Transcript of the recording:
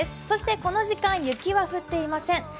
そしてこの時間、雪は降っていません。